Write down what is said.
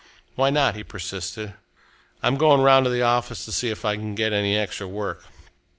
"Why not?" he persisted. "I'm going round to the office to see if I can get any extra work."